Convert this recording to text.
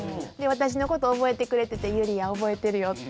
で私のことを覚えてくれてて「ゆりやん覚えてるよ」